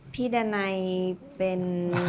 พี่ดาไน่เป็น